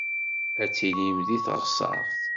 Ad tilim deg teɣsert.